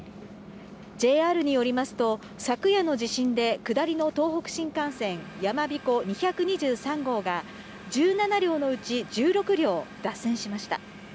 ＪＲによりますと昨夜の地震で下りの東北新幹線やまびこ２２３号が、１７両のうち１６両、脱線しました。